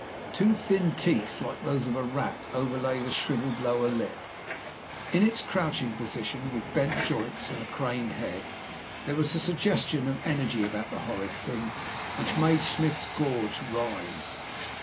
Two thin teeth, like those of a rat, overlay the shrivelled lower lip. In its crouching position, with bent joints and craned head, there was a suggestion of energy about the horrid thing which made Smith's gorge rise.